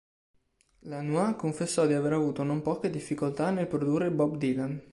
Lanois confessò di aver avuto non poche difficoltà nel produrre Bob Dylan.